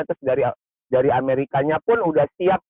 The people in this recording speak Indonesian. terus dari amerikanya pun sudah siap